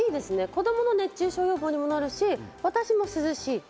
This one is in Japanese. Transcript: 子供の熱中症予防にもなるし、私も涼しい。